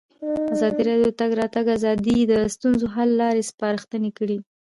ازادي راډیو د د تګ راتګ ازادي د ستونزو حل لارې سپارښتنې کړي.